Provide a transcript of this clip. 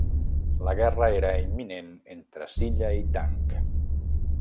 La guerra era imminent entre Silla i Tang.